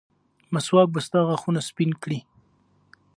مسواک به ستا غاښونه سپین کړي.